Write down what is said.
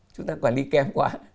chúng ta quản lý kém quá